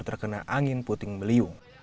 terkena angin puting beliung